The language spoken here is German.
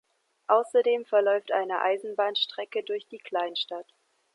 Außerdem verläuft eine Eisenbahnstrecke durch die Kleinstadt.